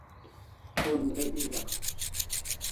Tu andai e la